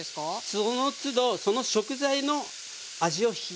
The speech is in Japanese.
そのつどその食材の味を引き出す。